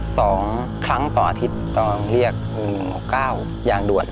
สองครั้งตอนอาทิตย์ต้องเรียกห่วงโม้ก้าวอย่างด่วน